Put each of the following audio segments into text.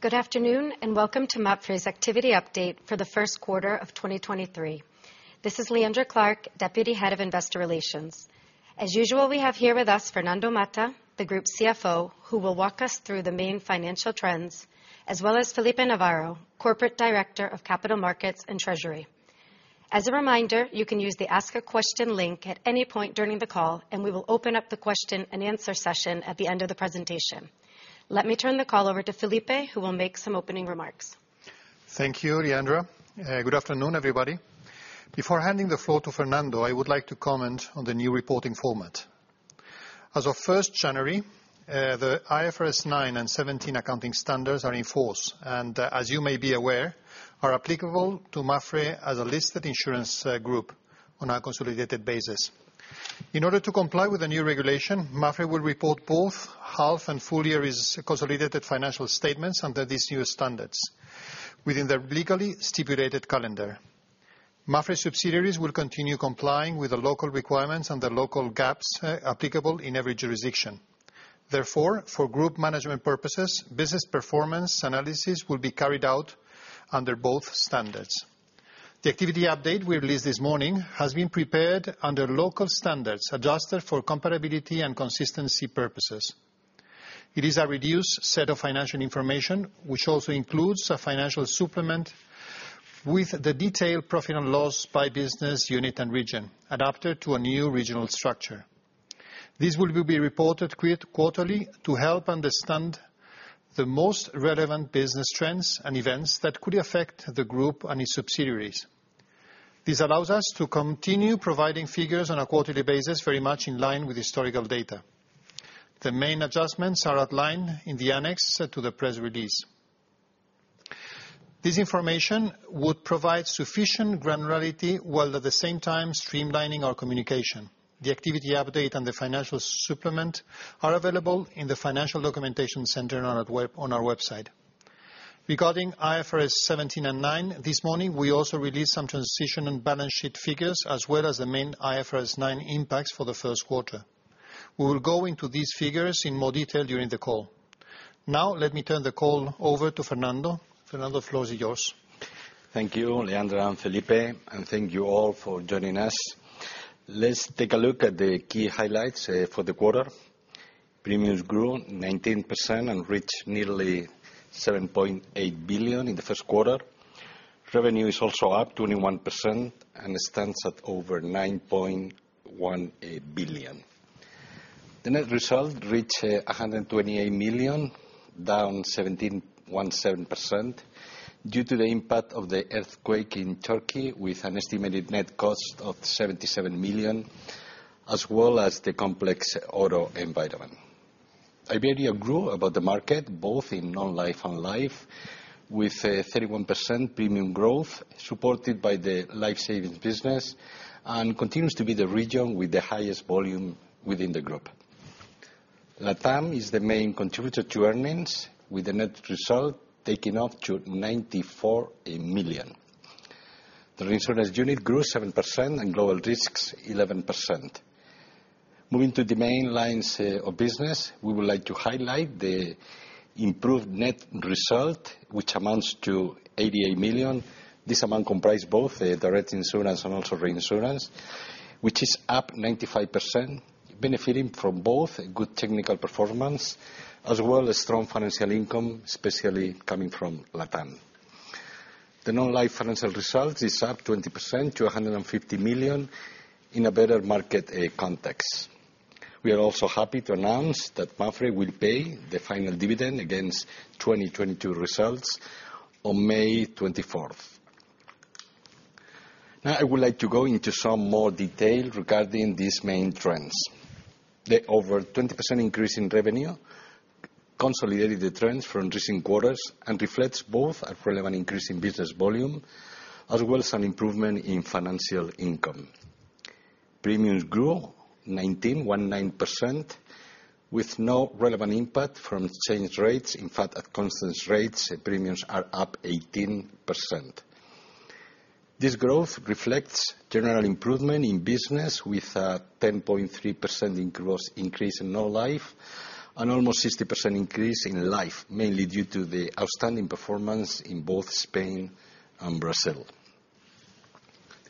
Good afternoon, and welcome to MAPFRE's activity update for the first quarter of 2023. This is Leandra Clark, Deputy Head of Investor Relations. As usual, we have here with us Fernando Mata, the Group CFO, who will walk us through the main financial trends, as well as Felipe Navarro, Corporate Director of Capital Markets and Treasury. As a reminder, you can use the Ask a Question link at any point during the call, and we will open up the question and answer session at the end of the presentation. Let me turn the call over to Felipe, who will make some opening remarks. Thank you, Leandra. good afternoon, everybody. Before handing the floor to Fernando, I would like to comment on the new reporting format. As of 1st January, the IFRS 9 and 17 accounting standards are in force and, as you may be aware, are applicable to MAPFRE as a listed insurance group on a consolidated basis. In order to comply with the new regulation, MAPFRE will report both half and full year's consolidated financial statements under these new standards within the legally stipulated calendar. MAPFRE subsidiaries will continue complying with the local requirements and the local GAAP, applicable in every jurisdiction. Therefore, for group management purposes, business performance analysis will be carried out under both standards. The activity update we released this morning has been prepared under local standards, adjusted for comparability and consistency purposes. It is a reduced set of financial information which also includes a financial supplement with the detailed profit and loss by business unit and region, adapted to a new regional structure. This will be reported quarterly to help understand the most relevant business trends and events that could affect the group and its subsidiaries. This allows us to continue providing figures on a quarterly basis, very much in line with historical data. The main adjustments are outlined in the annex to the press release. This information would provide sufficient granularity, while at the same time streamlining our communication. The activity update and the financial supplement are available in the financial documentation center on our web, on our website. Regarding IFRS 17 and 9, this morning we also released some transition and balance sheet figures, as well as the main IFRS 9 impacts for the first quarter. We will go into these figures in more detail during the call. Let me turn the call over to Fernando. Fernando, floor is yours. Thank you, Leandra and Felipe, and thank you all for joining us. Let's take a look at the key highlights for the quarter. Premiums grew 19% and reached nearly 7.8 billion in the first quarter. Revenue is also up 21% and stands at over 9.18 billion. The net result reached 128 million, down 17% due to the impact of the earthquake in Turkey, with an estimated net cost of 77 million as well as the complex auto environment. Iberia grew above the market, both in non-life and life, with 31% premium growth supported by the life savings business, and continues to be the region with the highest volume within the group. Latam is the main contributor to earnings, with the net result taking up to 94 million. The reinsurance unit grew 7% and global risks 11%. Moving to the main lines of business, we would like to highlight the improved net result, which amounts to 88 million. This amount comprise both direct insurance and also reinsurance, which is up 95%, benefiting from both good technical performance as well as strong financial income, especially coming from Latam. The non-life financial results is up 20% to 150 million in a better market context. We are also happy to announce that MAPFRE will pay the final dividend against 2022 results on May 24th. I would like to go into some more detail regarding these main trends. The over 20% increase in revenue consolidated the trends from recent quarters and reflects both a relevant increase in business volume as well as an improvement in financial income. Premiums grew 19.19% with no relevant impact from exchange rates. In fact, at constant rates, premiums are up 18%. This growth reflects general improvement in business with 10.3% in gross increase in non-life, and almost 60% increase in life, mainly due to the outstanding performance in both Spain and Brazil.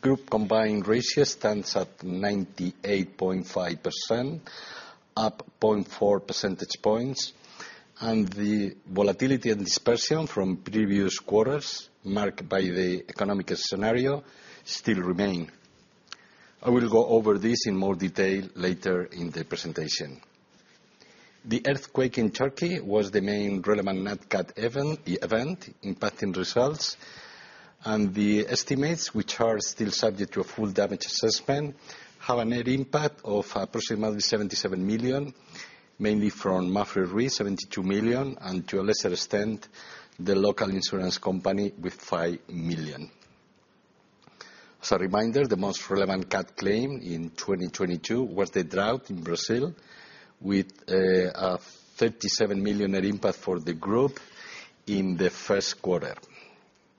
Group combined ratio stands at 98.5%, up 0.4 percentage points. The volatility and dispersion from previous quarters marked by the economic scenario still remain. I will go over this in more detail later in the presentation. The earthquake in Turkey was the main relevant net CAT event impacting results. The estimates, which are still subject to a full damage assessment, have a net impact of approximately 77 million, mainly from MAPFRE RE, 72 million, and to a lesser extent, the local insurance company with 5 million. As a reminder, the most relevant CAT claim in 2022 was the drought in Brazil with a 37 million net impact for the group in the first quarter.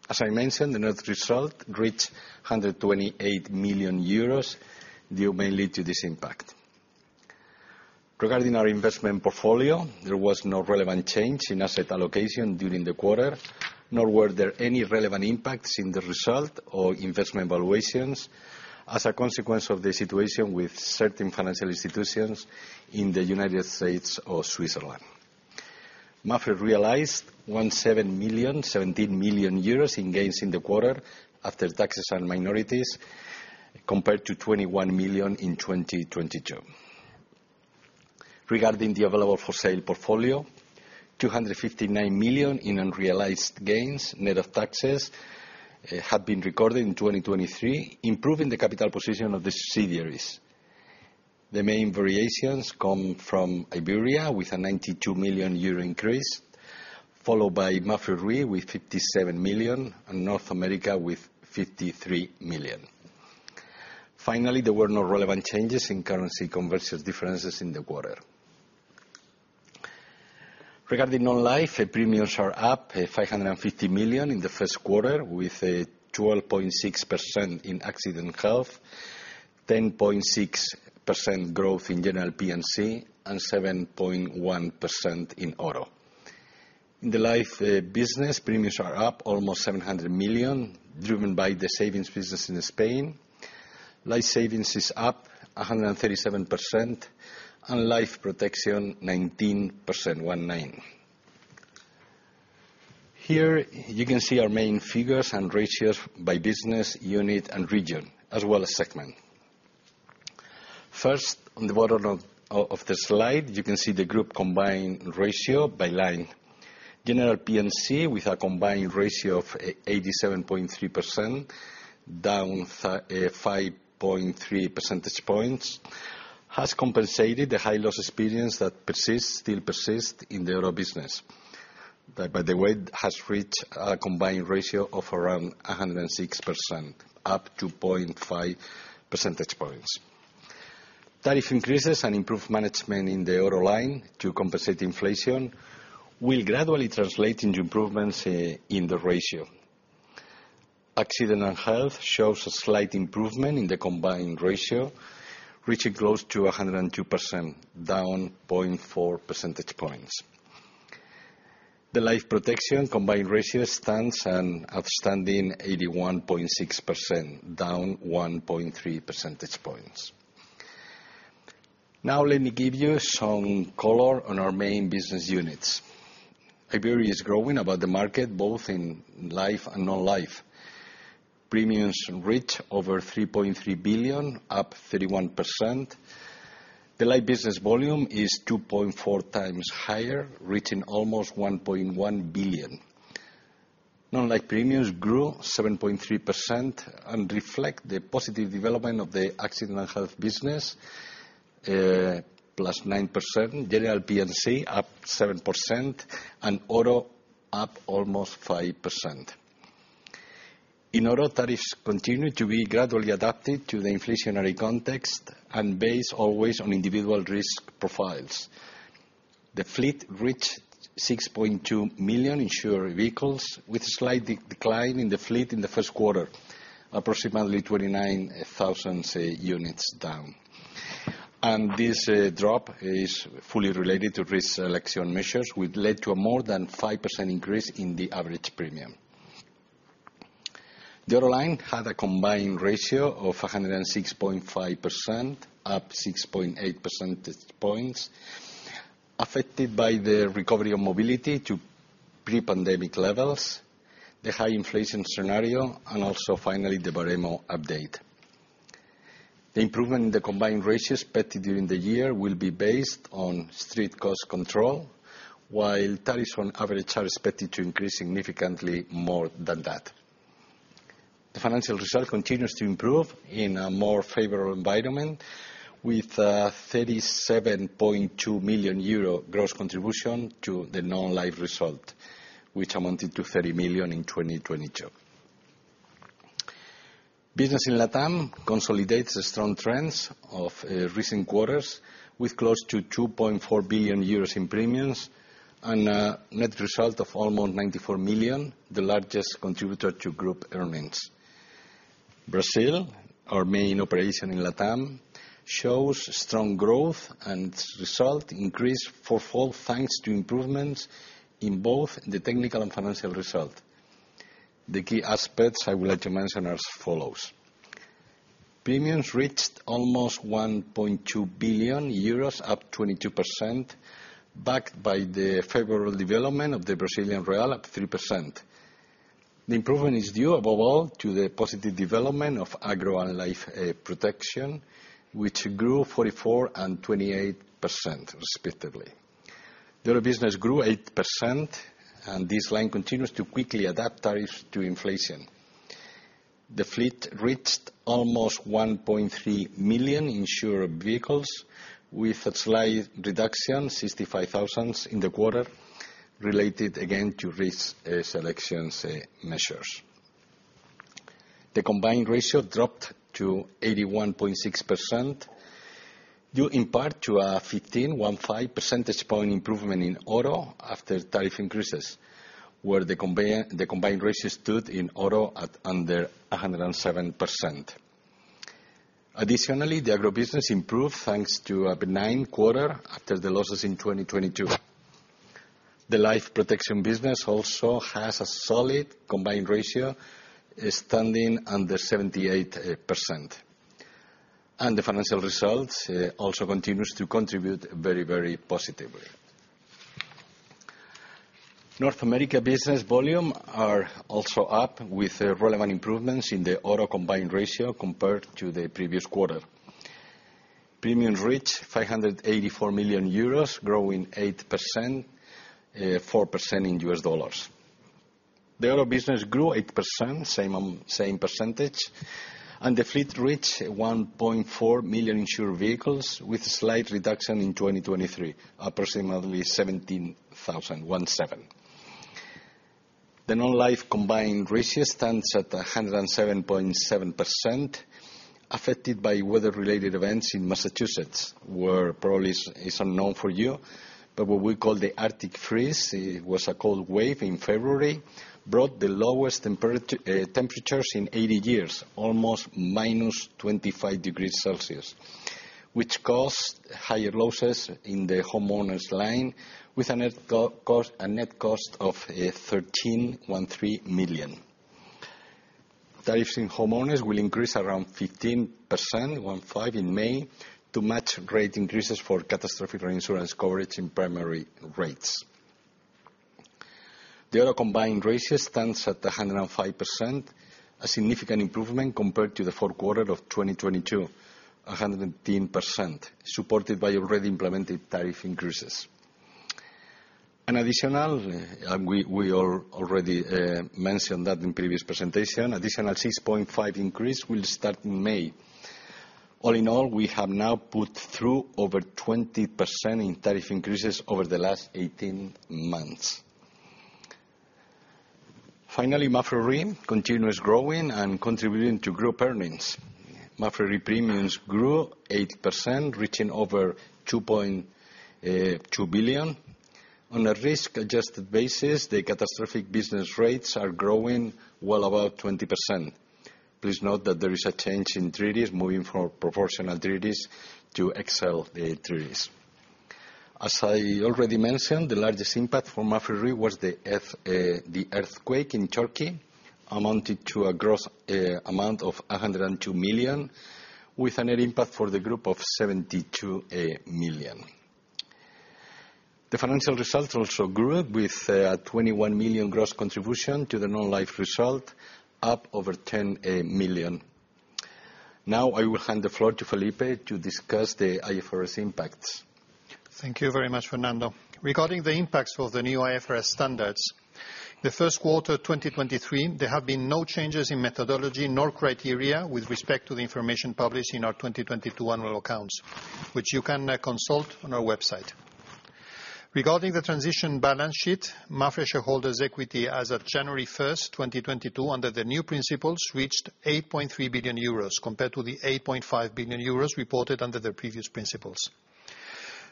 As I mentioned, the net result reached 128 million euros due mainly to this impact. Regarding our investment portfolio, there was no relevant change in asset allocation during the quarter, nor were there any relevant impacts in the result or investment valuations as a consequence of the situation with certain financial institutions in the United States or Switzerland. MAPFRE realized 17 million euros in gains in the quarter after taxes on minorities, compared to 21 million in 2022. Regarding the available-for-sale portfolio, 259 million in unrealized gains net of taxes have been recorded in 2023, improving the capital position of the subsidiaries. The main variations come from Iberia with a 92 million euro increase, followed by MAPFRE RE with 57 million, and North America with 53 million. Finally, there were no relevant changes in currency conversion differences in the quarter. Regarding non-life, premiums are up 550 million in the first quarter with 12.6% in accident health, 10.6% growth in general P&C, and 7.1% in auto. In the life business, premiums are up almost 700 million, driven by the savings business in Spain. Life savings is up 137%, and life protection 19%, one nine. Here, you can see our main figures and ratios by business, unit, and region, as well as segment. First, on the bottom of the slide, you can see the group combined ratio by line. General P&C with a combined ratio of 87.3%, down 5.3 percentage points, has compensated the high loss experience that persists, still persist in the auto business. By the way, it has reached a combined ratio of around 106%, up 2.5 percentage points. Tariff increases and improved management in the auto line to compensate inflation will gradually translate into improvements in the ratio. Accident and health shows a slight improvement in the combined ratio, reaching close to 102%, down 0.4 percentage points. The life protection combined ratio stands an outstanding 81.6%, down 1.3 percentage points. Let me give you some color on our main business units. Iberia is growing above the market, both in life and non-life. Premiums reach over 3.3 billion, up 31%. The life business volume is 2.4x higher, reaching almost 1.1 billion. Non-life premiums grew 7.3% and reflect the positive development of the accident and health business, +9%, General P&C up 7%, and auto up almost 5%. In order, tariffs continue to be gradually adapted to the inflationary context and based always on individual risk profiles. The fleet reached 6.2 million insured vehicles with slight decline in the fleet in the first quarter, approximately 29,000 units down. This drop is fully related to risk selection measures, which led to a more than 5% increase in the average premium. The auto line had a combined ratio of 106.5%, up 6.8 percentage points, affected by the recovery of mobility to pre-pandemic levels, the high inflation scenario, and also finally the Baremo update. The improvement in the combined ratio expected during the year will be based on strict cost control, while tariffs on average are expected to increase significantly more than that. The financial result continues to improve in a more favorable environment with 37.2 million euro gross contribution to the non-life result, which amounted to 30 million in 2022. Business in LATAM consolidates the strong trends of recent quarters with close to 2.4 billion euros in premiums and a net result of almost 94 million, the largest contributor to group earnings. Brazil, our main operation in LATAM, shows strong growth, and result increased four-fold thanks to improvements in both the technical and financial result. The key aspects I would like to mention are as follows. Premiums reached almost 1.2 billion euros, up 22%, backed by the favorable development of the Brazilian real, up 3%. The improvement is due above all to the positive development of agro and life protection, which grew 44% and 28% respectively. The auto business grew 8%, and this line continues to quickly adapt tariffs to inflation. The fleet reached almost 1.3 million insured vehicles with a slight reduction, 65,000 in the quarter, related again to risk selections measures. The combined ratio dropped to 81.6% due in part to a 15 percentage point improvement in auto after tariff increases, where the combined ratio stood in auto at under 107%. Additionally, the agro business improved thanks to a benign quarter after the losses in 2022. The life protection business also has a solid combined ratio, standing under 78%. The financial results also continues to contribute very positively. North America business volume are also up with relevant improvements in the auto combined ratio compared to the previous quarter. Premiums reach 584 million euros, growing 8%, 4% in U.S. dollars. The auto business grew 8%, same percentage. The fleet reached 1.4 million insured vehicles with slight reduction in 2023, approximately 17,000. The non-life combined ratio stands at 107.7%, affected by weather-related events in Massachusetts, where probably is unknown for you. What we call the Arctic Freeze, it was a cold wave in February, brought the lowest temperatures in 80 years, almost minus 25 degrees Celsius, which caused higher losses in the homeowners line with a net cost of 13 million. Tariffs in homeowners will increase around 15% in May to match rate increases for catastrophic reinsurance coverage in primary rates. The auto combined ratio stands at 105%, a significant improvement compared to the fourth quarter of 2022, 110%, supported by already implemented tariff increases. An additional 6.5% increase will start in May. All in all, we have now put through over 20% in tariff increases over the last 18 months. Finally, MAPFRE RE continues growing and contributing to group earnings. MAPFRE RE premiums grew 8%, reaching over 2.2 billion. On a risk-adjusted basis, the catastrophic business rates are growing well above 20%. Please note that there is a change in treaties moving from proportional treaties to excess treaties. As I already mentioned, the largest impact for MAPFRE RE was the earth, the earthquake in Turkey, amounted to a gross amount of 102 million, with a net impact for the group of 72 million. The financial results also grew with a 21 million gross contribution to the non-life result, up over 10 million. Now I will hand the floor to Felipe to discuss the IFRS impacts. Thank you very much, Fernando. Regarding the impacts of the new IFRS standards, the 1st quarter of 2023, there have been no changes in methodology nor criteria with respect to the information published in our 2022 annual accounts, which you can consult on our website. Regarding the transition balance sheet, MAPFRE shareholders equity as of January 1st, 2022, under the new principles, reached 8.3 billion euros, compared to the 8.5 billion euros reported under the previous principles.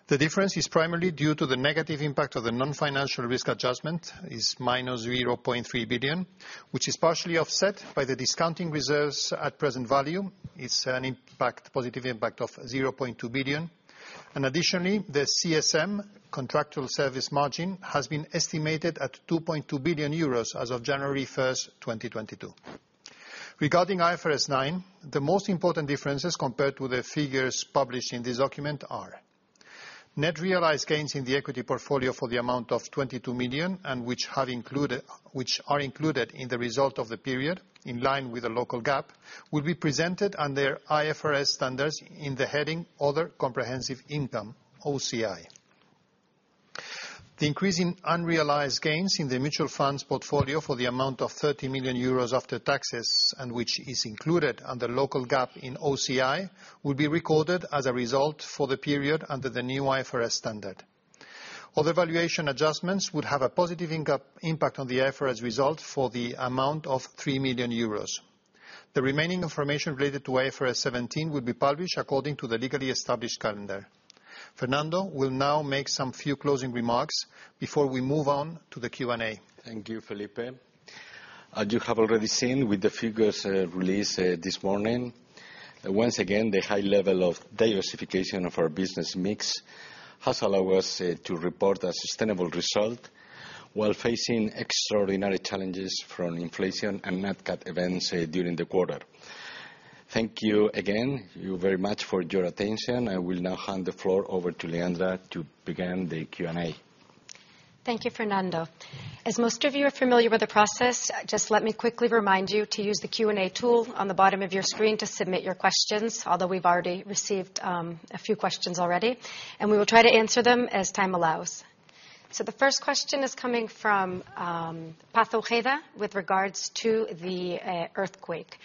The difference is primarily due to the negative impact of the non-financial risk adjustment is -0.3 billion, which is partially offset by the discounting reserves at present value. It's a positive impact of 0.2 billion. Additionally, the CSM, contractual service margin, has been estimated at 2.2 billion euros as of January 1st, 2022. Regarding IFRS 9, the most important differences compared to the figures published in this document are net realized gains in the equity portfolio for the amount of 22 million, and which are included in the result of the period, in line with the local GAAP, will be presented under IFRS standards in the heading Other Comprehensive Income, OCI. The increase in unrealized gains in the mutual funds portfolio for the amount of 30 million euros after taxes, and which is included under local GAAP in OCI, will be recorded as a result for the period under the new IFRS standard. Other valuation adjustments would have a positive impact on the IFRS result for the amount of 3 million euros. The remaining information related to IFRS 17 will be published according to the legally established calendar. Fernando will now make some few closing remarks before we move on to the Q&A. Thank you, Felipe. As you have already seen with the figures, released, this morning, once again, the high level of diversification of our business mix has allowed us to report a sustainable result while facing extraordinary challenges from inflation and net cat events during the quarter. Thank you again, you very much for your attention. I will now hand the floor over to Leandra to begin the Q&A. Thank you, Fernando. As most of you are familiar with the process, just let me quickly remind you to use the Q&A tool on the bottom of your screen to submit your questions, although we've already received a few questions already, and we will try to answer them as time allows. The first question is coming from Paz Ojeda with regards to the earthquake.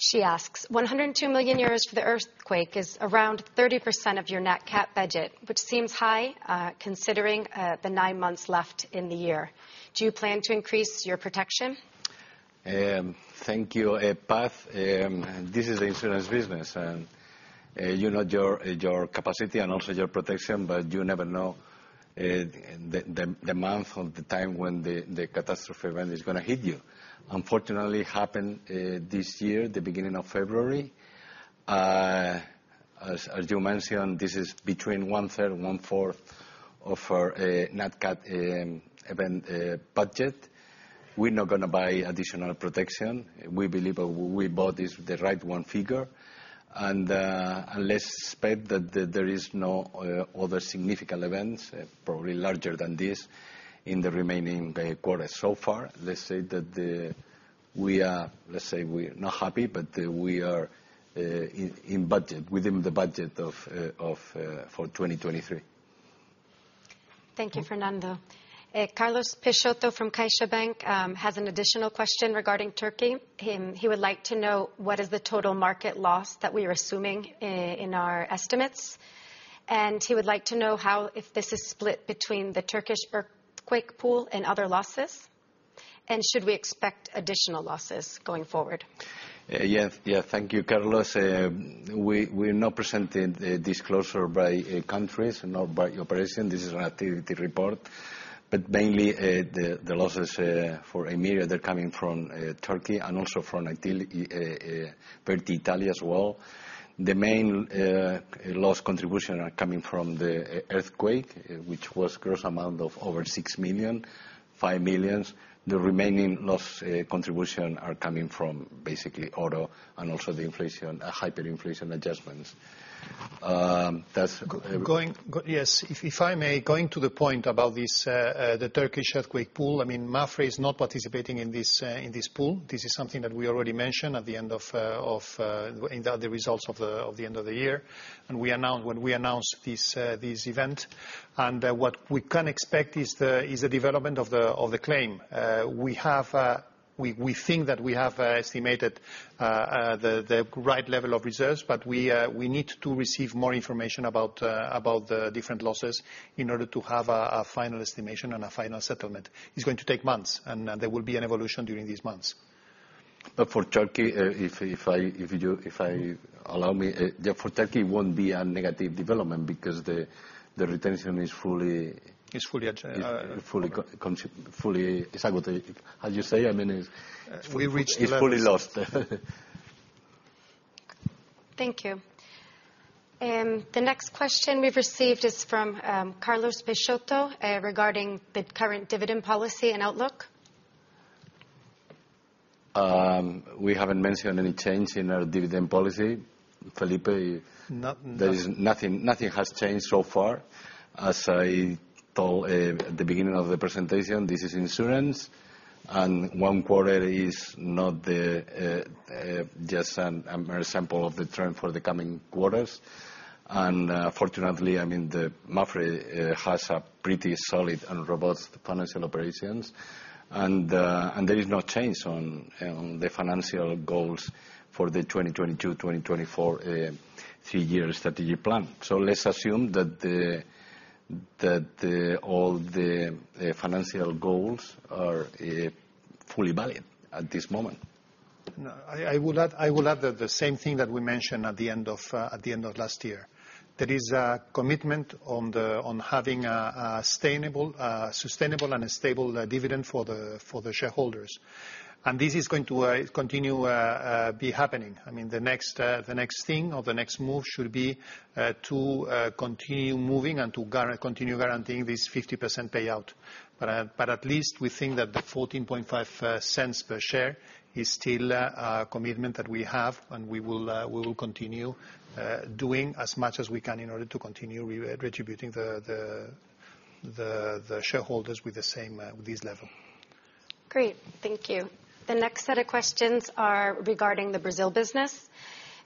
She asks, 102 million euros for the earthquake is around 30% of your net cap budget, which seems high, considering the nine months left in the year. Do you plan to increase your protection? Thank you, Paz. This is insurance business and you know your capacity and also your protection, but you never know the month or the time when the catastrophe event is gonna hit you. Unfortunately, it happened this year, the beginning of February. As you mentioned, this is between 1/3 and 1/4 of our net cap event budget. We're not gonna buy additional protection. We believe that we bought this, the right one figure. Unless spec that there is no other significant events, probably larger than this, in the remaining quarters. So far let's say that we are not happy, but we are in budget, within the budget of for 2023. Thank you, Fernando. Carlos Peixoto from CaixaBank has an additional question regarding Turkey. He would like to know what is the total market loss that we are assuming in our estimates. He would like to know how, if this is split between the Turkish Earthquake Pool and other losses. Should we expect additional losses going forward? Yeah. Thank you, Carlos. We're not presenting a disclosure by countries, not by operation. This is an activity report. Mainly, the losses for Emilia-Romagna, they're coming from Turkey and also from Italy, Verti Italia as well. The main loss contribution are coming from the earthquake, which was gross amount of over 6 million, 5 millions. The remaining loss contribution are coming from basically auto and also the inflation, hyperinflation adjustments. That's. Yes, if I may, going to the point about this, the Turkish earthquake pool, I mean, MAPFRE is not participating in this pool. This is something that we already mentioned at the end of, in the results of the end of the year, and we announced, when we announced this event. What we can expect is the development of the claim. We think that we have estimated the right level of reserves, but we need to receive more information about the different losses in order to have a final estimation and a final settlement. It's going to take months. There will be an evolution during these months. For Turkey, allow me. Yeah, for Turkey it won't be a negative development because the retention is fully- Is fully Fully. Covered. How you say? I mean, We reached the level. It's fully lost. Thank you. The next question we've received is from Carlos Peixoto, regarding the current dividend policy and outlook. We haven't mentioned any change in our dividend policy. Felipe. No- There is nothing has changed so far. As I told at the beginning of the presentation, this is insurance, and one quarter is not the just an example of the trend for the coming quarters. Fortunately, I mean, the MAPFRE has a pretty solid and robust financial operations. There is no change on the financial goals for the 2022-2024 3-year strategic plan. Let's assume that the all the financial goals are fully valid at this moment. No. I would add that the same thing that we mentioned at the end of last year. There is a commitment on having a sustainable and a stable dividend for the shareholders. This is going to continue be happening. I mean, the next thing or the next move should be to continue moving and to continue guaranteeing this 50% payout. At least we think that the 0.145 per share is still a commitment that we have, we will continue doing as much as we can in order to continue retributing the shareholders with the same with this level. Great. Thank you. The next set of questions are regarding the Brazil business.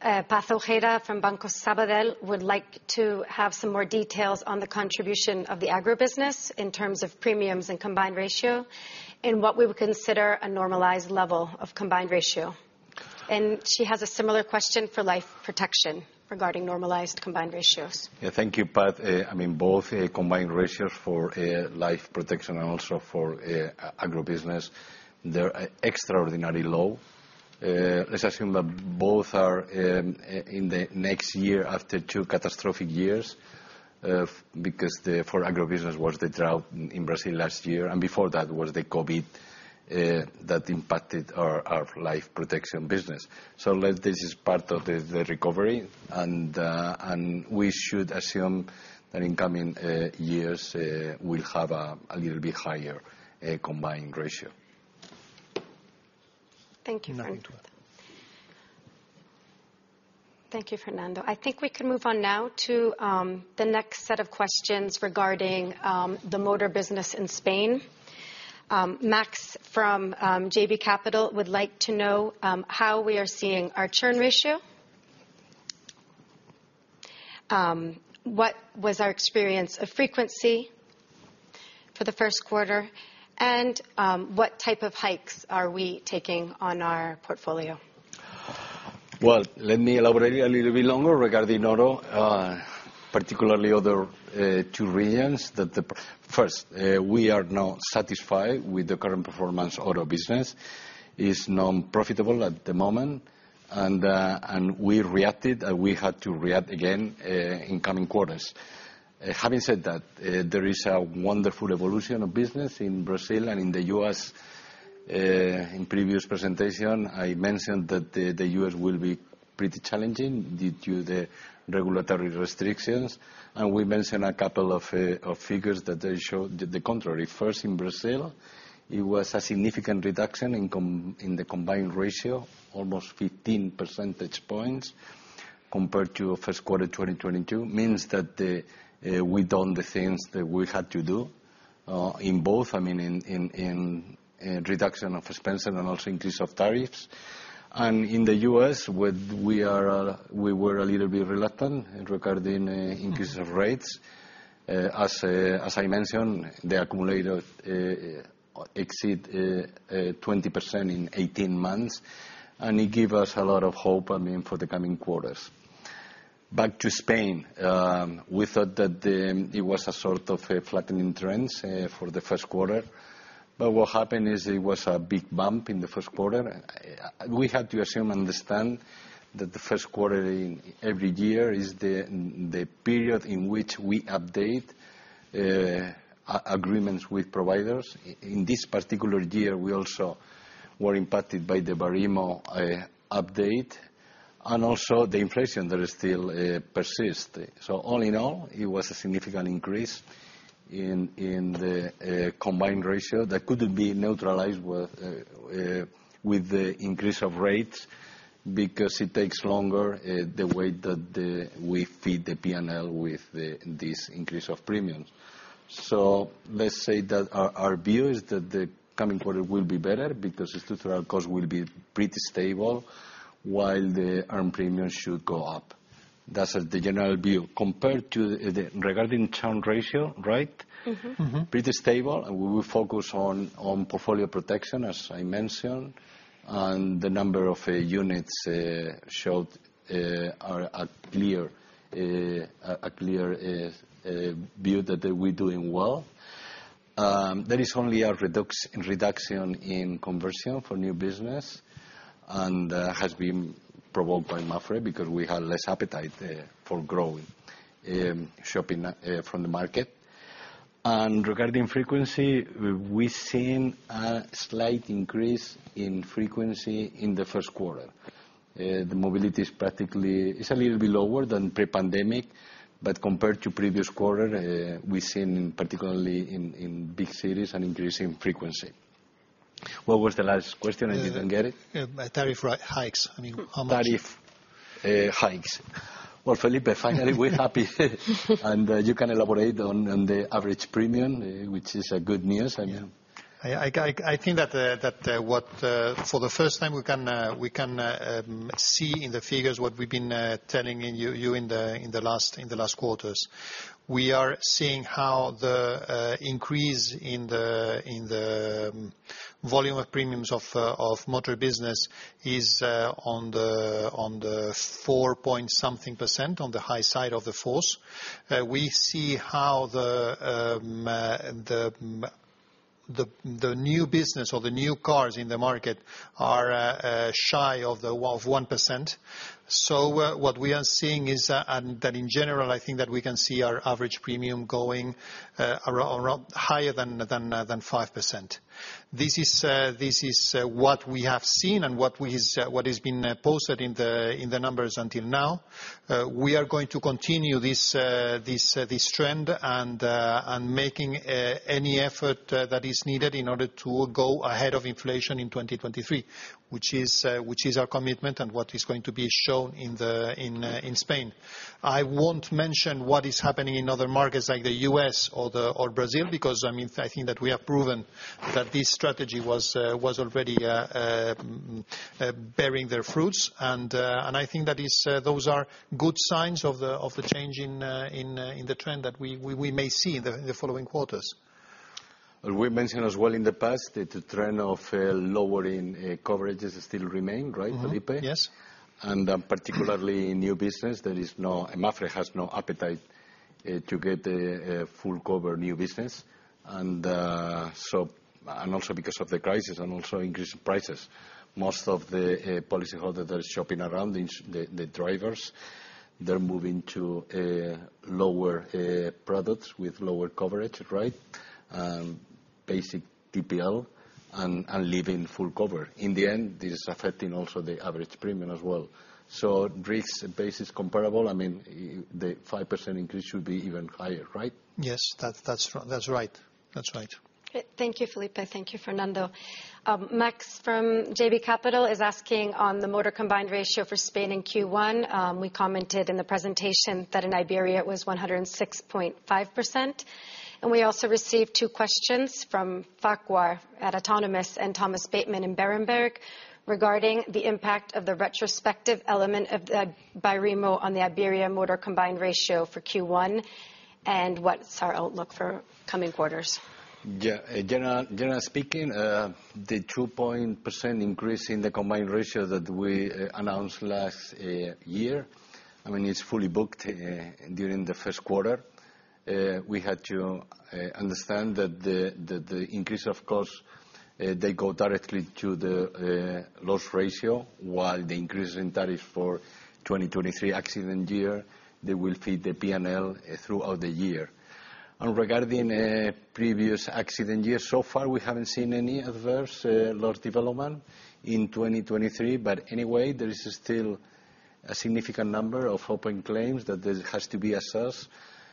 Paz Ojeda from Banco Sabadell would like to have some more details on the contribution of the agribusiness in terms of premiums and combined ratio, and what we would consider a normalized level of combined ratio. She has a similar question for life protection regarding normalized combined ratios. Yeah. Thank you, Pat. I mean, both combined ratios for life protection and also for agribusiness, they're extraordinarily low. Let's assume that both are in the next year after 2 catastrophic years, because the, for agribusiness was the drought in Brazil last year, and before that was the COVID, that impacted our life protection business. Let this is part of the recovery and we should assume that in coming years, we'll have a little bit higher combined ratio. Thank you, Fernando. Nothing to add. Thank you, Fernando. I think we can move on now to the next set of questions regarding the motor business in Spain. Max from JB Capital would like to know how we are seeing our churn ratio. What was our experience of frequency for the first quarter? What type of hikes are we taking on our portfolio? Well, let me elaborate a little bit longer regarding auto, particularly other two regions. First, we are now satisfied with the current performance auto business. Is non-profitable at the moment. We reacted, and we had to react again in coming quarters. Having said that, there is a wonderful evolution of business in Brazil and in the U.S. In previous presentation, I mentioned that the U.S. will be pretty challenging due to the regulatory restrictions. We mentioned a couple of figures that they show the contrary. First, in Brazil, it was a significant reduction in the combined ratio, almost 15 percentage points compared to first quarter 2022. Means that the, we've done the things that we had to do, in both, I mean, in reduction of expense and also increase of tariffs. In the U.S., where we are, we were a little bit reluctant regarding increase of rates. As I mentioned, the accumulator, exceed, 20% in 18 months, and it give us a lot of hope, I mean, for the coming quarters. Back to Spain, we thought that, it was a sort of a flattening trends, for the first quarter. What happened is it was a big bump in the first quarter. We had to assume and understand that the first quarter in every year is the period in which we update agreements with providers. In this particular year, we also were impacted by the Baremo update and also the inflation that is still persist. All in all, it was a significant increase in the combined ratio that couldn't be neutralized with the increase of rates because it takes longer the way that we feed the P&L with this increase of premiums. Let's say that our view is that the coming quarter will be better because the total cost will be pretty stable, while the earned premiums should go up. That's the general view. Regarding churn ratio, right? Mm-hmm. Pretty stable, we will focus on portfolio protection, as I mentioned. The number of units showed are a clear view that we're doing well. There is only a reduction in conversion for new business, that has been provoked by MAPFRE because we have less appetite for growing shopping from the market. Regarding frequency, we've seen a slight increase in frequency in the first quarter. The mobility is practically... It's a little bit lower than pre-pandemic, but compared to previous quarter, we've seen particularly in big cities an increase in frequency. What was the last question? I didn't get it. tariff hikes. I mean, how much... Tariff, hikes. Well, Felipe, finally we're happy. You can elaborate on the average premium, which is a good news. I mean... I think that what for the first time, we can see in the figures what we've been telling you in the last quarters. We are seeing how the increase in the volume of premiums of motor business is on the 4-point something %, on the high side of the force. We see how the new business or the new cars in the market are shy of 1%. What we are seeing is, and that in general, I think that we can see our average premium going around higher than 5%. This is what we have seen and what has been posted in the numbers until now. We are going to continue this trend and making any effort that is needed in order to go ahead of inflation in 2023, which is our commitment and what is going to be shown in Spain. I won't mention what is happening in other markets like the U.S. or Brazil, because, I mean, I think that we have proven that this strategy was already bearing their fruits. I think that is, those are good signs of the change in the trend that we may see in the following quarters. We mentioned as well in the past that the trend of, lowering, coverages still remain, right, Felipe? Mm-hmm. Yes. Particularly in new business, MAPFRE has no appetite to get a full cover new business, and so, and also because of the crisis and also increase in prices. Most of the policyholder that are shopping around, the drivers, they're moving to lower products with lower coverage, right? Basic TPL and leaving full cover. In the end, this is affecting also the average premium as well. Risk base is comparable. I mean, the 5% increase should be even higher, right? Yes. That's right. That's right. Thank you, Felipe. Thank you, Fernando. Max from JB Capital is asking on the motor combined ratio for Spain in Q1. We commented in the presentation that in Iberia, it was 106.5%. We also received two questions from Farquhar at Autonomous and Thomas Bateman in Berenberg regarding the impact of the retrospective element of the Baremo on the Iberia motor combined ratio for Q1 and what's our outlook for coming quarters. General speaking, the 2% increase in the combined ratio that we announced last year, I mean, it's fully booked during the first quarter. We had to understand that the increase of cost, they go directly to the loss ratio, while the increase in tariff for 2023 accident year, they will feed the P&L throughout the year. Regarding previous accident years, so far we haven't seen any adverse loss development in 2023. Anyway, there is still a significant number of open claims that has to be assessed,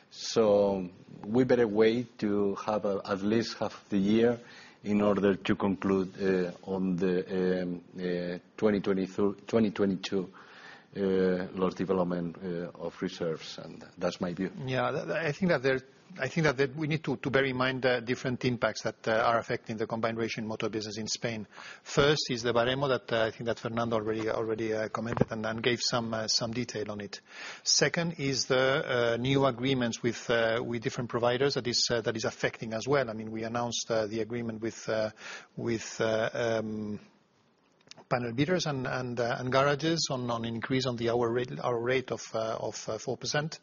so we better wait to have at least half the year in order to conclude on the 2020 through 2022 loss development of reserves. That's my view. Yeah. I think that there, I think that we need to bear in mind the different impacts that are affecting the combined ratio in motor business in Spain. First is the Baremo that I think that Fernando Mata already commented and then gave some detail on it. Second is the new agreements with different providers that is affecting as well. I mean, we announced the agreement with panel beaters and garages on increase on the hour rate of 4%.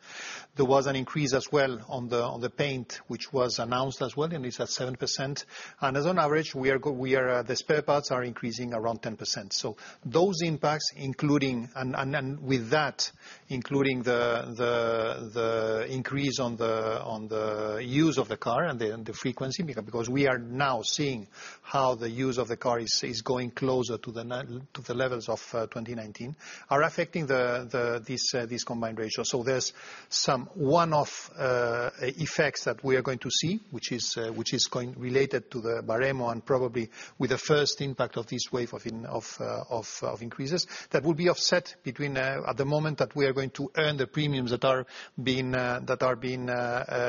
There was an increase as well on the paint, which was announced as well, and it's at 7%. As on average, we are the spare parts are increasing around 10%. Those impacts, including. With that, including the increase on the use of the car and the frequency, because we are now seeing how the use of the car is going closer to the levels of 2019, are affecting this combined ratio. There's some one-off effects that we are going to see, which is going related to the Baremo, and probably with the first impact of this wave of increases, that will be offset at the moment that we are going to earn the premiums that are being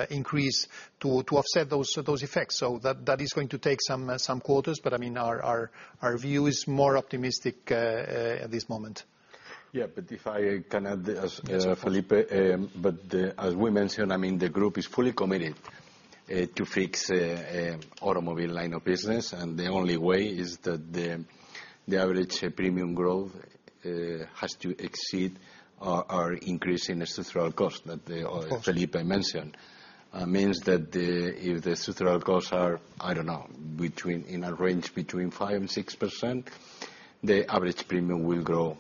increased to offset those effects. That is going to take some quarters. I mean, our view is more optimistic at this moment. Yeah. if I can add. Yes, of course. Felipe. As we mentioned, I mean, the group is fully committed to fix automobile line of business, and the only way is that the average premium growth has to exceed our increase in the structural cost. Of course. ...Felipe mentioned. Means that the, if the structural costs are, I don't know, between, in a range between 5% and 6%, the average premium will grow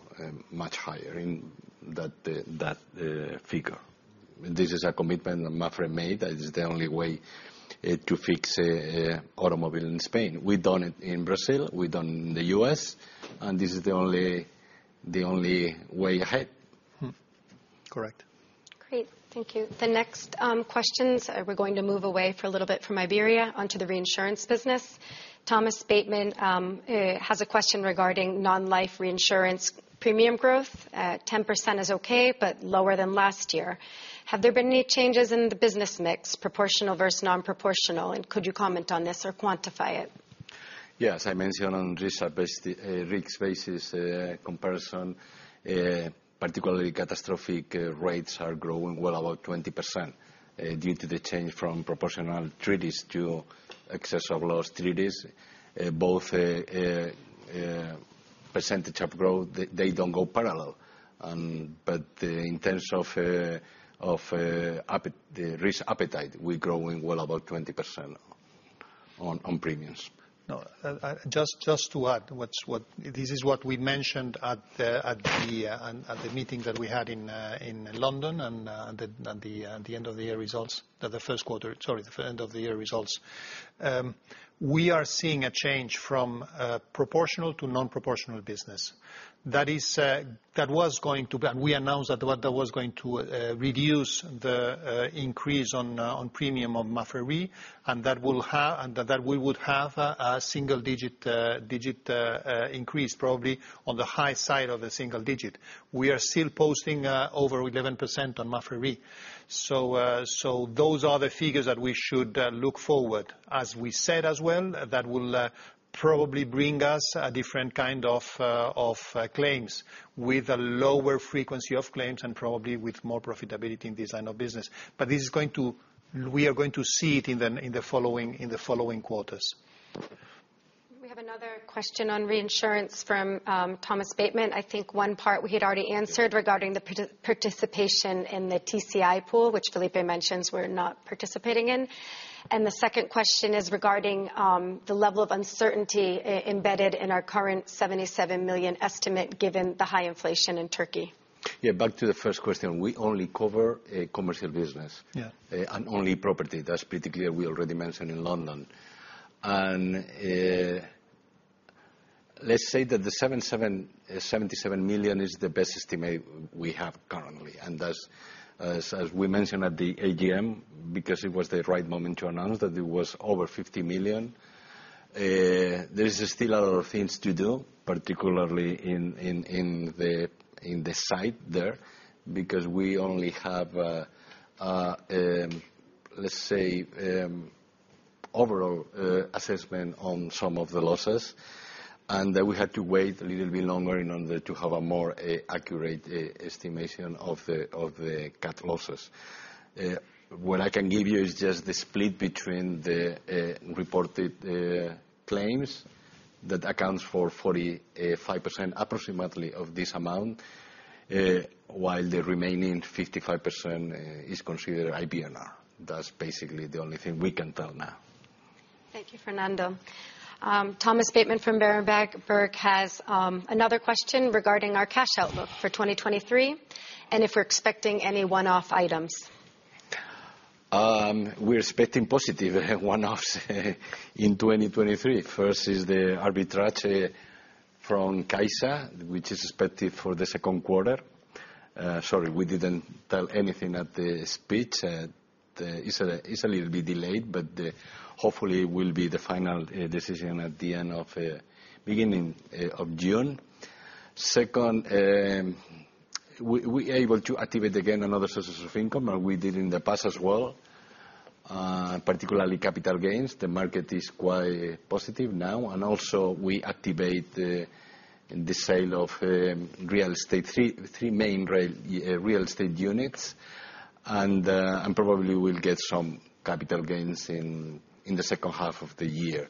much higher in that figure. This is a commitment that MAPFRE made. That is the only way to fix automobile in Spain. We've done it in Brazil. We've done it in the U.S. This is the only way ahead. Correct. Great. Thank you. The next questions, we're going to move away for a little bit from Iberia onto the reinsurance business. Thomas Bateman has a question regarding non-life reinsurance premium growth. 10% is okay, but lower than last year. Have there been any changes in the business mix, proportional versus non-proportional, and could you comment on this or quantify it? Yes. I mentioned on risk-based, risk basis, comparison, particularly catastrophic, rates are growing well about 20%, due to the change from proportional treaties to excess of loss treaties. Both, percentage of growth, they don't go parallel. In terms of the risk appetite, we're growing well about 20% on premiums. No, just to add what's what. This is what we mentioned at the meeting that we had in London and the end of the year results, the first quarter, sorry, the end of the year results. We are seeing a change from proportional to non-proportional business. That is, that was going to be, and we announced that that was going to reduce the increase on premium of MAPFRE RE, and that we would have a single digit increase probably on the high side of the single digit. We are still posting over 11% on MAPFRE RE. Those are the figures that we should look forward. As we said as well, that will probably bring us a different kind of claims with a lower frequency of claims and probably with more profitability in this line of business. We are going to see it in the following quarters. We have another question on reinsurance from Thomas Bateman. I think one part we had already answered regarding the participation in the TCI pool, which Felipe mentions we're not participating in. The second question is regarding the level of uncertainty embedded in our current 77 million estimate given the high inflation in Turkey. Yeah. Back to the first question, we only cover a commercial business. Yeah. Only property. That's pretty clear. We already mentioned in London. Let's say that the 77 million is the best estimate we have currently. That's, as we mentioned at the AGM, because it was the right moment to announce that it was over 50 million. There is still a lot of things to do, particularly in the site there, because we only have, let's say, overall assessment on some of the losses, and that we had to wait a little bit longer in order to have a more accurate estimation of the cat losses. What I can give you is just the split between the reported claims that accounts for 45% approximately of this amount, while the remaining 55% is considered IBNR. That's basically the only thing we can tell now. Thank you, Fernando. Thomas Bateman from Berenberg has another question regarding our cash outlook for 2023, and if we're expecting any one-off items. We're expecting positive one-offs in 2023. First is the arbitrage from CaixaBank, which is expected for the 2Q. Sorry, we didn't tell anything at the speech. It's, it's a little bit delayed, but hopefully it will be the final decision at the end of beginning of June. Second, we able to activate again another sources of income, we did in the past as well, particularly capital gains. The market is quite positive now. Also we activate the sale of real estate, 3 main real estate units. Probably we'll get some capital gains in the 2H of the year.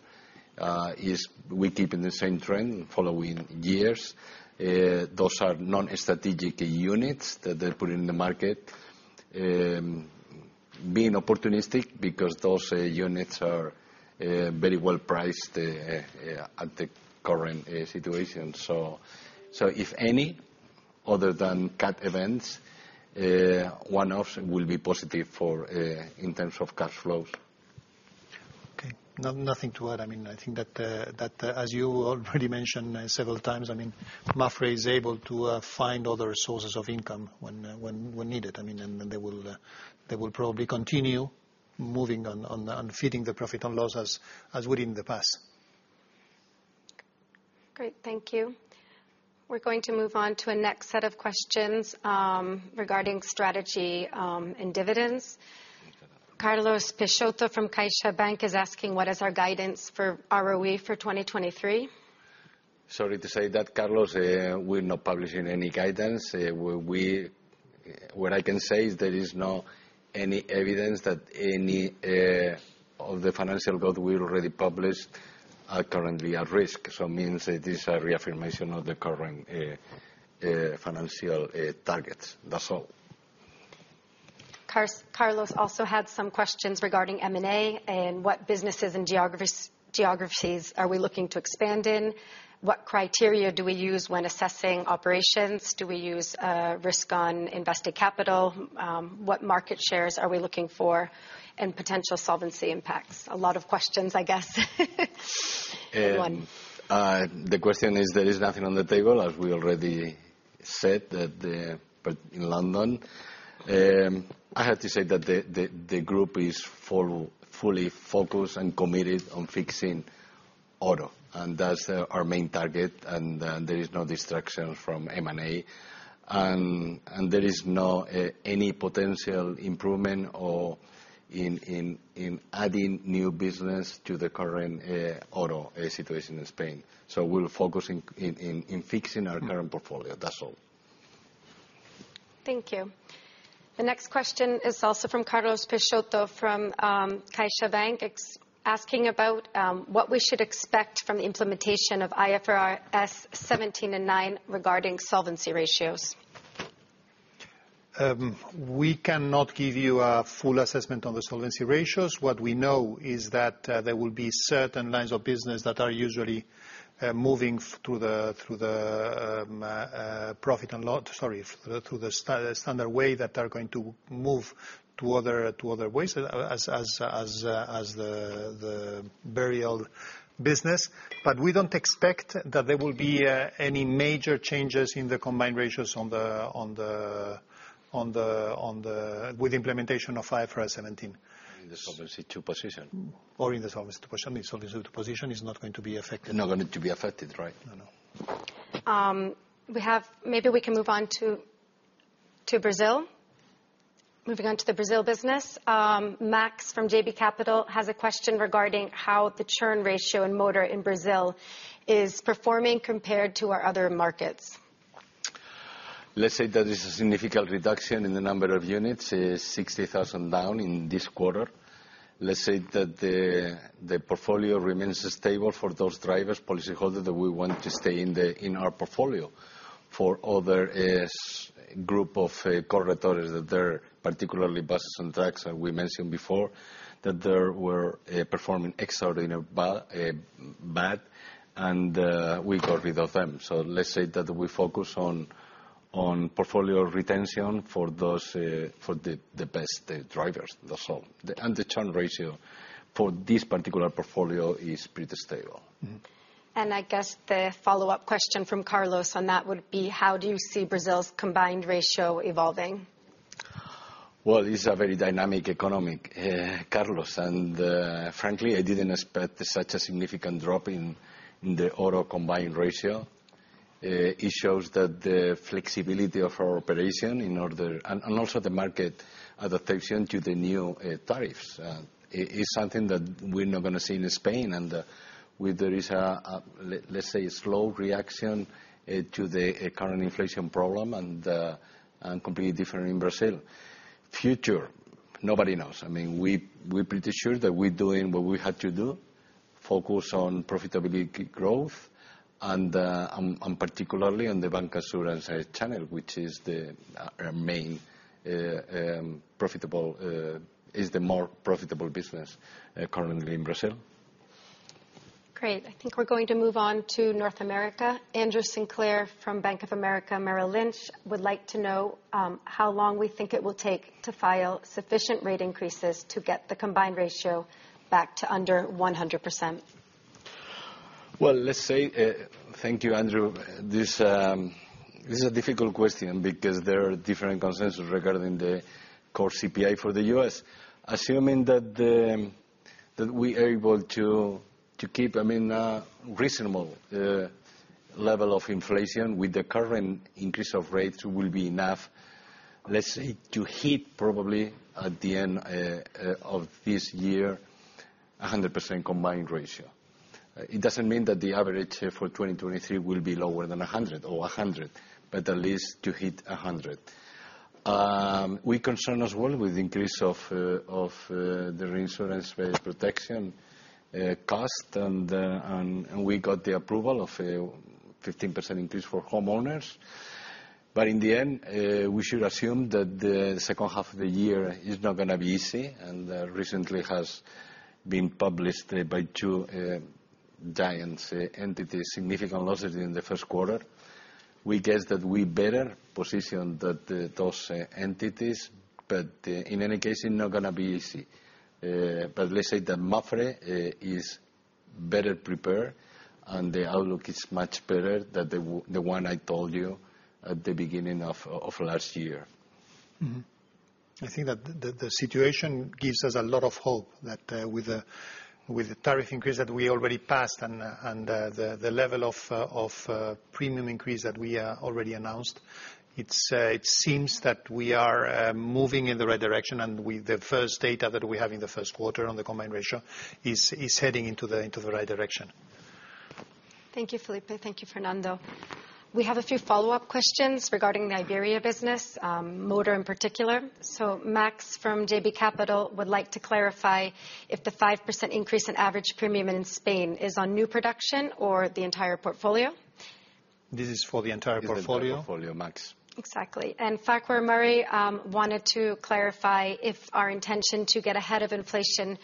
We keep in the same trend following years. Those are non-strategic units that they're putting in the market. Being opportunistic because those units are very well priced at the current situation. If any, other than CAT events, one-offs will be positive for in terms of cash flows. Okay. Nothing to add. I mean, I think that, as you already mentioned, several times, I mean, MAPFRE is able to find other sources of income when needed. I mean, they will probably continue moving on feeding the profit and loss as we did in the past. Great. Thank you. We're going to move on to a next set of questions regarding strategy and dividends. Carlos Peixoto from CaixaBank is asking what is our guidance for ROE for 2023. Sorry to say that, Carlos, we're not publishing any guidance. What I can say is there is no any evidence that any of the financial growth we already published are currently at risk. Means it is a reaffirmation of the current financial targets. That's all. Carlos also had some questions regarding M&A and what businesses and geographies are we looking to expand in? What criteria do we use when assessing operations? Do we use risk on invested capital? What market shares are we looking for? Potential solvency impacts. A lot of questions, I guess. One. The question is, there is nothing on the table, as we already said at the... but in London. I have to say that the group is fully focused and committed on fixing auto, and that's our main target. There is no distraction from M&A. There is no any potential improvement or in adding new business to the current auto situation in Spain. We'll focus in fixing our current portfolio. That's all. Thank you. The next question is also from Carlos Peixoto from CaixaBank, asking about what we should expect from the implementation of IFRS 17 and nine regarding solvency ratios. We cannot give you a full assessment on the solvency ratios. What we know is that there will be certain lines of business that are usually moving through the standard way that are going to move to other ways as the burial business. We don't expect that there will be any major changes in the combined ratios on the... with implementation of IFRS 17. In the Solvency II position. In the Solvency II position. The Solvency II position is not going to be affected. Not going to be affected, right. No, no. We have. Maybe we can move on to Brazil. Moving on to the Brazil business. Max from JB Capital has a question regarding how the churn ratio in motor in Brazil is performing compared to our other markets. Let's say there is a significant reduction in the number of units, 60,000 down in this quarter. Let's say that the portfolio remains stable for those drivers, policyholders, that we want to stay in our portfolio. For other group of corridors that they're particularly buses and trucks, as we mentioned before, that there were performing extraordinarily bad, and we got rid of them. Let's say that we focus on portfolio retention for those for the best drivers. That's all. The churn ratio for this particular portfolio is pretty stable. Mm-hmm. I guess the follow-up question from Carlos on that would be, how do you see Brazil's combined ratio evolving? Well, it's a very dynamic economic, Carlos. Frankly, I didn't expect such a significant drop in the auto combined ratio. It shows that the flexibility of our operation. And also the market adaptation to the new tariffs. It is something that we're not gonna see in Spain, and where there is a, let's say, a slow reaction to the current inflation problem and completely different in Brazil. Future, nobody knows. I mean, we're pretty sure that we're doing what we had to do. Focus on profitability growth and particularly in the bancassurance channel, which is the our main profitable is the more profitable business currently in Brazil. Great. I think we're going to move on to North America. Andrew Sinclair from Bank of America Merrill Lynch would like to know how long we think it will take to file sufficient rate increases to get the combined ratio back to under 100%. Well, let's say, thank you, Andrew. This is a difficult question because there are different consensus regarding the core CPI for the U.S. Assuming that we are able to keep, I mean, a reasonable level of inflation with the current increase of rates will be enough, let's say, to hit probably at the end of this year a 100% combined ratio. It doesn't mean that the average for 2023 will be lower than a 100 or a 100, at least to hit a 100. We concern as well with increase of the reinsurance-based protection cost and we got the approval of a 15% increase for homeowners. In the end, we should assume that the second half of the year is not going to be easy, and recently has been published by two giants entities, significant losses in the first quarter. We guess that we better position that those entities, but in any case it not going to be easy. Let's say that MAPFRE is better prepared, and the outlook is much better than the one I told you at the beginning of last year. I think that the situation gives us a lot of hope that with the, with the tariff increase that we already passed and and the level of of premium increase that we already announced, it's it seems that we are moving in the right direction. The first data that we have in the first quarter on the combined ratio is heading into the, into the right direction. Thank you, Felipe. Thank you, Fernando. We have a few follow-up questions regarding the Iberia business, motor in particular. Max from JB Capital would like to clarify if the 5% increase in average premium in Spain is on new production or the entire portfolio. This is for the entire portfolio. The entire portfolio, Max. Exactly. Farquhar Murray wanted to clarify if our intention to get ahead of inflation,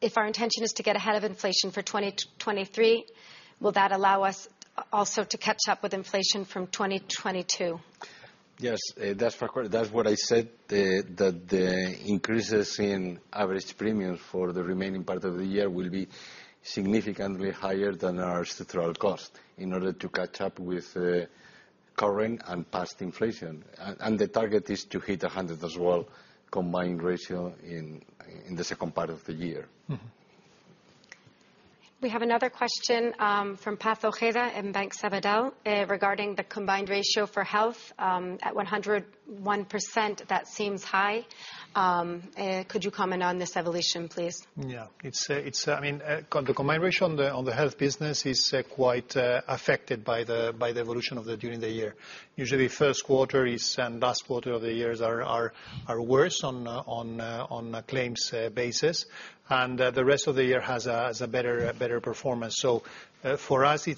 if our intention is to get ahead of inflation for 2023, will that allow us also to catch up with inflation from 2022? Yes. That's Farquhar. That's what I said, that the increases in average premium for the remaining part of the year will be significantly higher than our structural cost in order to catch up with current and past inflation. The target is to hit 100 as well combined ratio in the second part of the year. Mm-hmm. We have another question, from Paz Ojeda in Banco Sabadell, regarding the combined ratio for health. At 101%, that seems high. Could you comment on this evolution, please? It's, I mean, the combined ratio on the health business is quite affected by the evolution during the year. Usually first quarter and last quarter of the years are worse on claims basis. The rest of the year has a better performance. For us,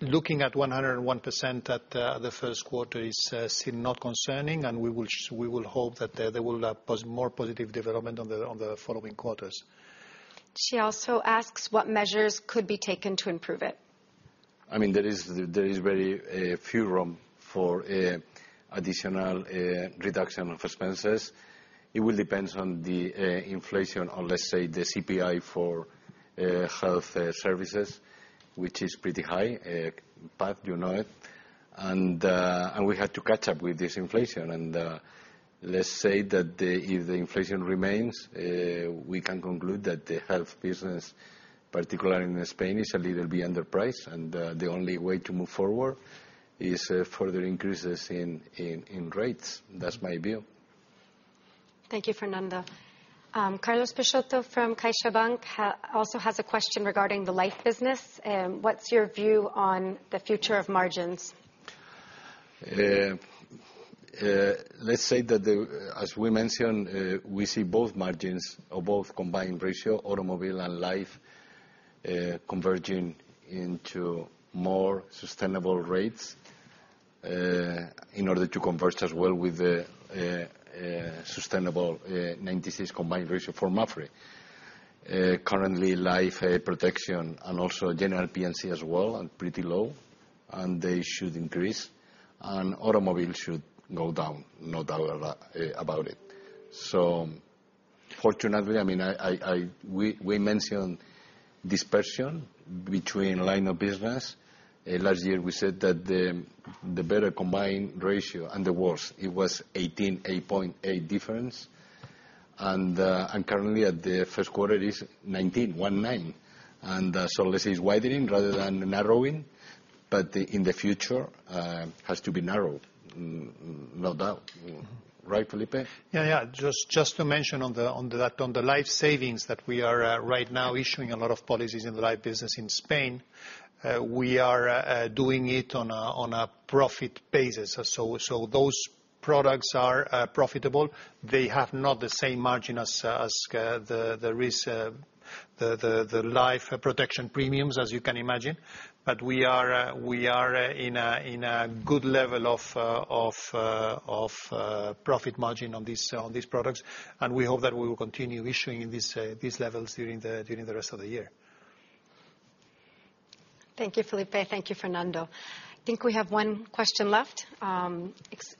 looking at 101% at the first quarter is still not concerning. We will hope that there will more positive development on the following quarters. She also asks what measures could be taken to improve it. I mean, there is very few room for additional reduction of expenses. It will depends on the inflation or, let's say, the CPI for health services, which is pretty high. Paz, you know it. We had to catch up with this inflation. Let's say that if the inflation remains, we can conclude that the health business, particularly in Spain, is a little bit underpriced. The only way to move forward is further increases in rates. That's my view. Thank you, Fernando. Carlos Peixoto from CaixaBank also has a question regarding the life business. What's your view on the future of margins? Let's say that the, as we mentioned, we see both margins or both combined ratio, automobile and life, converging into more sustainable rates, in order to converge as well with the sustainable 96 combined ratio for MAPFRE. Currently life protection and also general P&C as well are pretty low, and they should increase, and automobile should go down, no doubt about it. Fortunately, I mean, we mentioned dispersion between line of business. Last year we said that the better combined ratio and the worst, it was 18.8 difference. Currently at the first quarter it is 19.9. This is widening rather than narrowing, but in the future has to be narrowed, no doubt. Right, Felipe? Just to mention on the life savings that we are right now issuing a lot of policies in the life business in Spain, we are doing it on a profit basis. Those products are profitable. They have not the same margin as the risk. The life protection premiums, as you can imagine. We are in a good level of profit margin on these products. We hope that we will continue issuing these levels during the rest of the year. Thank you, Felipe. Thank you, Fernando. Think we have one question left,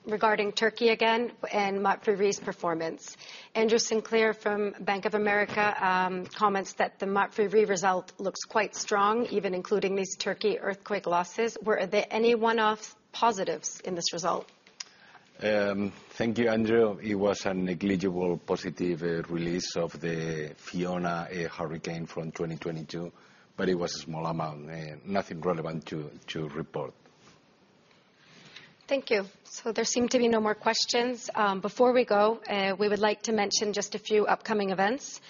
regarding Turkey again and MAPFRE SIGORTA's performance. Andrew Sinclair from Bank of America, comments that the MAPFRE SIGORTA result looks quite strong, even including these Turkey earthquake losses. Were there any one-offs positives in this result? Thank you, Andrew. It was a negligible positive release of the Hurricane Fiona from 2022, but it was a small amount. Nothing relevant to report. Thank you. There seem to be no more questions. Before we go, we would like to mention just a few upcoming events.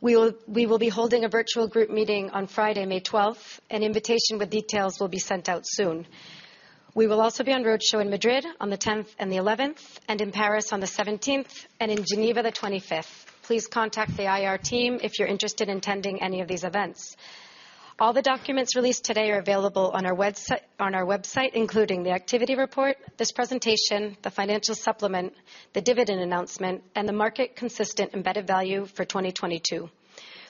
We will be holding a virtual group meeting on Friday, May 12th. An invitation with details will be sent out soon. We will also be on road show in Madrid on the 10th and the 11th, and in Paris on the 17th, and in Geneva the 25th. Please contact the IR team if you're interested in attending any of these events. All the documents released today are available on our website, including the activity report, this presentation, the financial supplement, the dividend announcement, and the Market Consistent Embedded Value for 2022.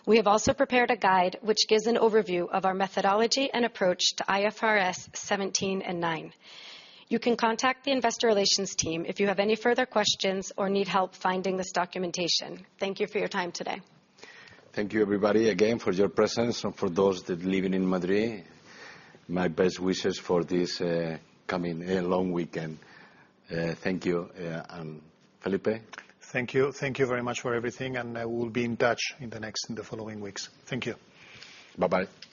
We have also prepared a guide which gives an overview of our methodology and approach to IFRS 17 and 9. You can contact the investor relations team if you have any further questions or need help finding this documentation. Thank you for your time today. Thank you, everybody, again for your presence. For those that living in Madrid, my best wishes for this, coming, long weekend. Thank you, and Felipe? Thank you. Thank you very much for everything. I will be in touch in the following weeks. Thank you. Bye-bye.